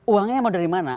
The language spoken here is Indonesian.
uangnya mau dari mana